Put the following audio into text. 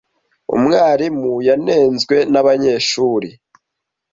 Umwarimu yanenzwe nabanyeshuri.